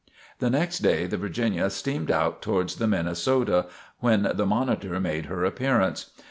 The next day the "Virginia" steamed out towards the "Minnesota," when the "Monitor" made her appearance.